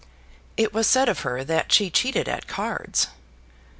It was said of her that she cheated at cards.